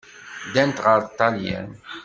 Ddant ɣer Ṭṭalyan.